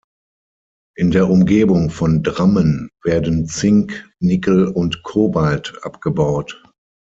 In der Umgebung von Drammen werden Zink, Nickel und Cobalt abgebaut.